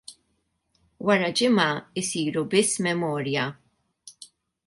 Wara ġimgħa jsiru biss memorja.